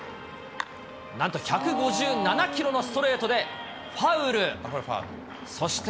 なんと１５７キロのストレートでファウル。